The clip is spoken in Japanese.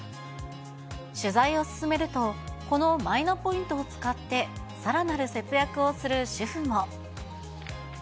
取材を進めると、このマイナポイントを使って、さらなる節約をする主婦も。